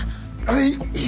はい。